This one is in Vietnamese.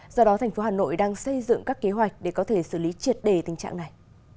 do đó thành phố hà nội đang xây dựng các kế hoạch để có thể xử lý triệt đề tình trạng này